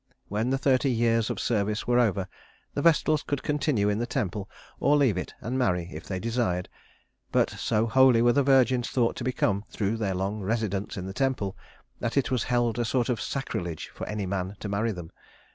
When the thirty years of service were over, the Vestals could continue in the temple, or leave it and marry if they desired; but so holy were the Virgins thought to become through their long residence in the temple, that it was held a sort of sacrilege for any man to marry them.